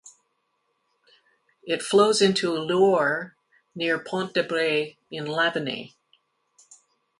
It flows into the Loir near "Pont-de-Braye", in Lavenay.